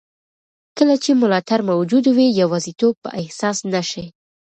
کله چې ملاتړ موجود وي، یوازیتوب به احساس نه شي.